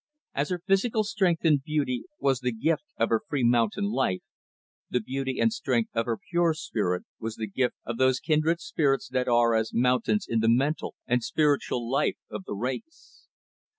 As her physical strength and beauty was the gift of her free mountain life, the beauty and strength of her pure spirit was the gift of those kindred spirits that are as mountains in the mental and spiritual life of the race.